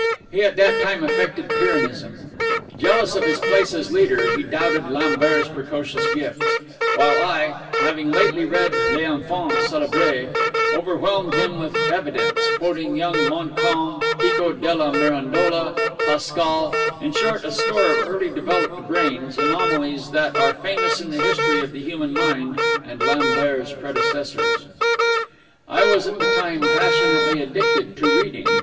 He at that time affected pyrrhonism. Jealous of his place as leader, he doubted Lambert's precocious gifts; while I, having lately read Les Enfants celebres, overwhelmed him with evidence, quoting young Montcalm, Pico della Mirandola, Pascal in short, a score of early developed brains, anomalies that are famous in the history of the human mind, and Lambert's predecessors. I was at the time passionately addicted to reading.